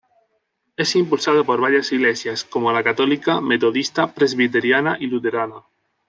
Es impulsado por varias iglesias, como la Católica, Metodista, Presbiteriana y Luterana.